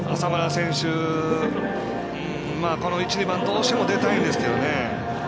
この１、２番どうしても出たいんですけどね。